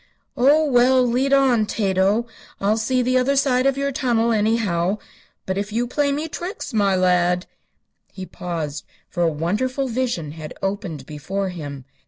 "Oh, well; lead on, Tato. I'll see the other side of your tunnel, anyhow. But if you play me tricks, my lad " He paused, for a wonderful vision had opened before him.